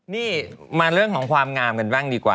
นี่มาเรื่องของความงามกันบ้างดีกว่า